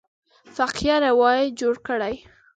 فقیه روایت جوړ کړی.